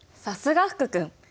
さすが福君！